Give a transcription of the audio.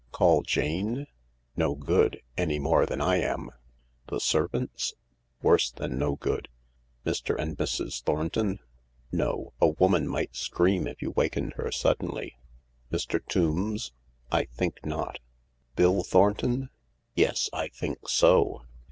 ff Call Jane ? No good, any more than I am. The ser vants ? Worse than no good. Mr, and Mrs. Thornton ? No, a woman might scream if you wakened her suddenly. Mr. Tombs ? I think not. Bill Thornton ? Yes, I think so."